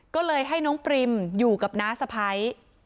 ก็เลยให้น้องปริมอยู่กับน้าสะพ้าย